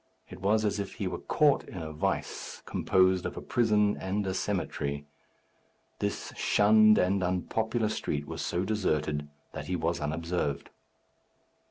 It was as if he were caught in a vice, composed of a prison and a cemetery. This shunned and unpopular street was so deserted that he was unobserved.